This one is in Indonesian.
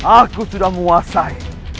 aku sudah mewasainya